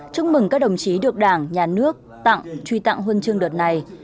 chúc mừng các đồng chí được đảng nhà nước tặng truy tặng huân chương đợt này